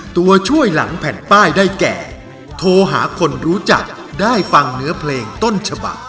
ตัวช่วยหลังแผ่นป้ายได้แก่โทรหาคนรู้จักได้ฟังเนื้อเพลงต้นฉบัก